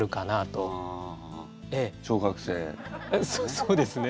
そそうですね。